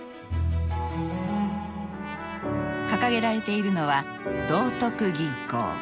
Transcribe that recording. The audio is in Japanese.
掲げられているのは「道徳銀行」。